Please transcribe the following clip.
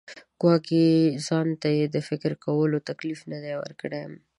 ګواکې ځان ته یې د فکر کولو تکلیف نه دی ورکړی.